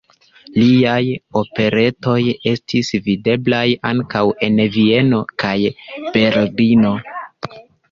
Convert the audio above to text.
Liaj operetoj estis videblaj ankaŭ en Vieno kaj Berlino.